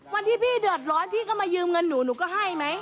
วันที่พี่เดือดร้อนพี่ก็มายืมเงินหนูหนูก็ให้ไหม